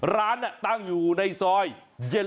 ร้านตั้งอยู่ในซอย